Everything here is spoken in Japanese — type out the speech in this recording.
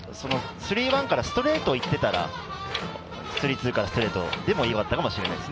スリーワンからストレートいってたらスリーツーからストレートでもよかったかもしれないです。